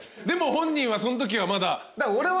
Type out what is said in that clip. でも本人はそんときはまだ。